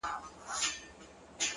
تر تا څو چنده ستا د زني عالمگير ښه دی؛